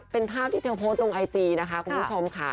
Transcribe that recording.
เป็นภาพที่เธอโพสต์ลงไอจีนะคะคุณผู้ชมค่ะ